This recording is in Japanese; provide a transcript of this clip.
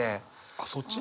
あっそっち？